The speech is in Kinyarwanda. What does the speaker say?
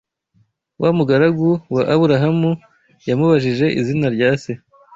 wa mugaragu wa Aburahamu yamubajije izina rya se.